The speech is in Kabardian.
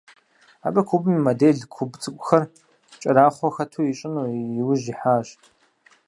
Абы кубым и модель, куб цIыкIухэр кIэрахъуэу хэту ищIыну и ужь ихьащ.